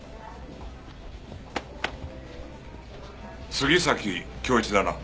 杉崎恭一だな？